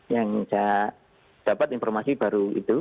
yang saya dapat informasi baru itu